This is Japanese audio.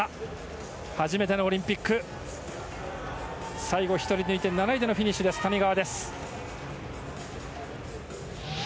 初めてのオリンピックは最後、１人抜いて７位でのフィニッシュの谷川。